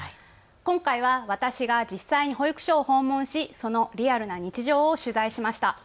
今回は私が実際に保育所を訪問しそのリアルな日常を取材しました。